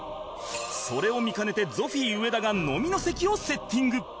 それを見かねてゾフィー上田が飲みの席をセッティング